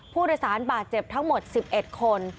ผู้โดยสารบาดเจ็บทั้งหมด๑๑คน